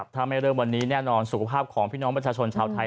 ถ้าไม่เริ่มวันนี้แน่นอนสุขภาพของพี่น้องประชาชนชาวไทย